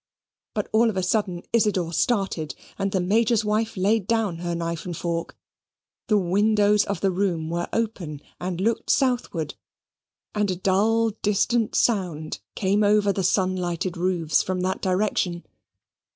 But all of a sudden, Isidor started, and the Major's wife laid down her knife and fork. The windows of the room were open, and looked southward, and a dull distant sound came over the sun lighted roofs from that direction.